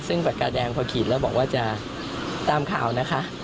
ซึ่งปากกาแดงพอขีดแล้วบอกว่าจะตามข่าวนะคะ